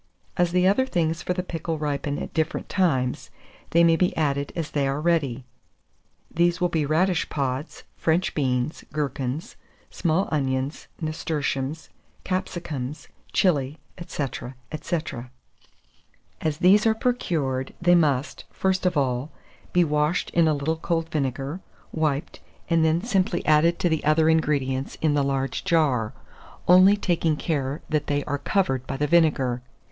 As the other things for the pickle ripen at different times, they may be added as they are ready: these will be radish pods, French beans, gherkins, small onions, nasturtiums, capsicums, chilies, &c. &c. As these are procured, they must, first of all, be washed in a little cold vinegar, wiped, and then simply added to the other ingredients in the large jar, only taking care that they are covered by the vinegar.